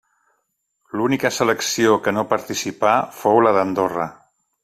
L'única selecció que no participà fou la d'Andorra.